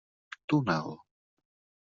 Tunel!